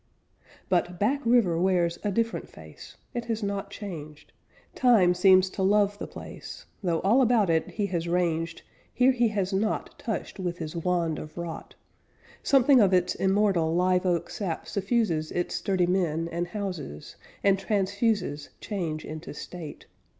But Back River wears a different face; It has not changed; Time seems to love the place; Though all about it he has ranged, Here he has not Touched with his wand of rot Something of its immortal live oak sap suffuses Its sturdy men and houses and transfuses Change into state.